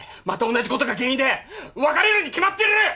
また同じことが原因で別れるに決まってる！